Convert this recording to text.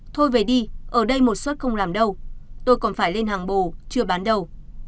thôi về đi ở đây một suất không làm đâu tôi còn phải lên hàng bồ chưa bán đầu